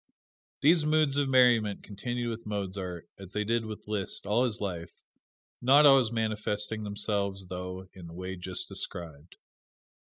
These moods of merriment continued with Mozart, as they did with Liszt, all his life not always manifesting themselves, though, in the way just described.